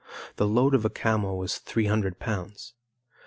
The load of a camel was three hundred pounds.